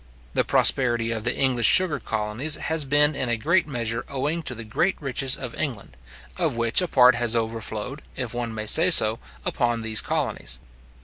The prosperity of the English sugar colonies has been in a great measure owing to the great riches of England, of which a part has overflowed, if one may say so, upon these colonies.